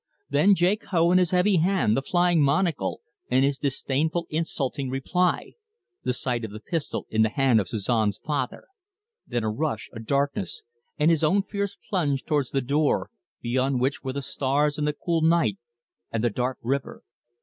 Then Jake Hough and his heavy hand, the flying monocle, and his disdainful, insulting reply; the sight of the pistol in the hand of Suzon's father; then a rush, a darkness, and his own fierce plunge towards the door, beyond which were the stars and the cool night and the dark river.